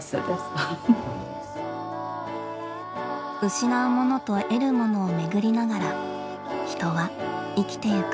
失うものと得るものをめぐりながら人は生きてゆく。